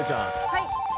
はい！